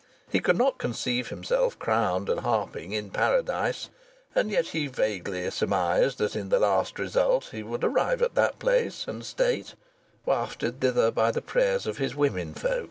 He could not conceive himself crowned and harping in Paradise, and yet he vaguely surmised that in the last result he would arrive at that place and state, wafted thither by the prayers of his womenkind.